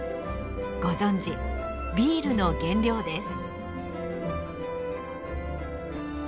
ご存じビールの原料です。